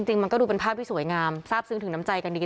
จริงมันก็ดูเป็นภาพที่สวยงามทราบซึ้งถึงน้ำใจกันดี